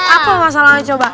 apa masalahnya coba